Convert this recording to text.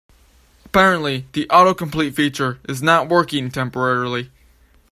Apparently, the autocomplete feature is not working temporarily.